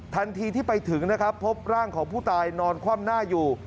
ทันทีที่ไปถึงนะครับพบร่างของผู้ตายนอนคว่ำหน้าอยู่